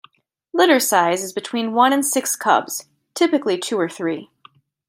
Litter size is between one and six cubs, typically two or three.